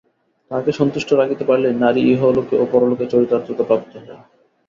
তাঁহাকে সন্তুষ্ট রাখিতে পারিলেই নারী ইহলোকে ও পরলোকে চরিতার্থতা প্রাপ্ত হয়।